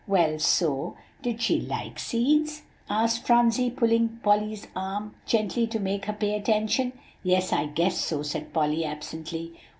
Well, so" "Did she like seeds?" asked Phronsie, pulling Polly's arm gently to make her pay attention. "Yes, I guess so," said Polly absently.